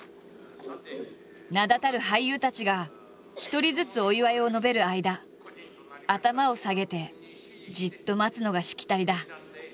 名だたる俳優たちが一人ずつお祝いを述べる間頭を下げてじっと待つのがしきたりだ。